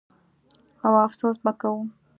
او افسوس به کوو.